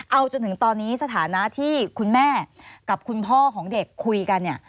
เอาจนถึงตอนนี้สถานะที่คุณแม่กับคุณพ่อของเด็กคุยกันเนี่ย